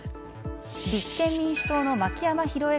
立憲民主党の牧山ひろえ